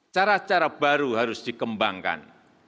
cara cara baru harus dikembangkan